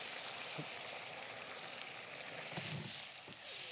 はい。